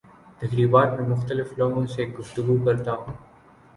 تقریبات میں مختلف لوگوں سے گفتگو کرتا ہوں